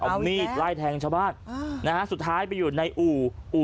เอามีดไล่แทงชาวบ้านนะฮะสุดท้ายไปอยู่ในอู่อู่